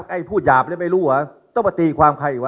ไอพูดหยาบอะไรไม่รู้หวะต้องมาตีความใครอีกหวะ